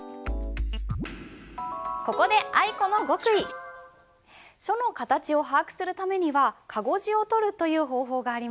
ここで書の形を把握するためには籠字をとるという方法があります。